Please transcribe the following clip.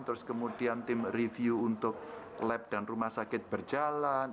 terus kemudian tim review untuk lab dan rumah sakit berjalan